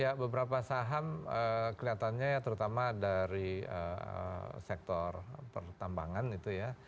ya beberapa saham kelihatannya ya terutama dari sektor pertambangan itu ya